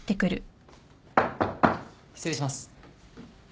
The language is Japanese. ・・失礼します。